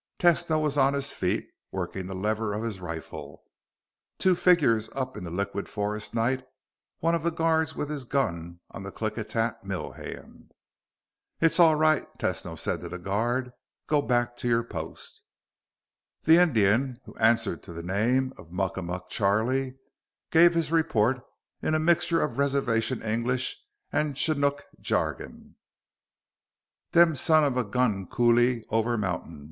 Tesno was on his feet, working the lever of his rifle. Two figures up in the liquid forest night one of the guards with his gun on the Klickitat mill hand. "It's all right," Tesno said to the guard. "Go back to your post." The Indian, who answered to the name of Muckamuck Charlie, gave his report in a mixture of reservation English and Chinook jargon. "Them son of a gun cooley over mountain.